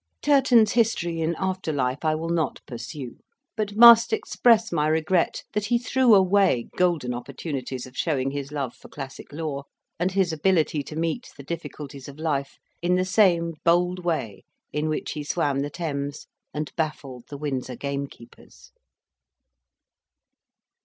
Turton's history in after life I will not pursue; but must express my regret that he threw away golden opportunities of showing his love for classic lore, and his ability to meet the difficulties of life, in the same bold way in which he swam the Thames and baffled the Windsor gamekeepers.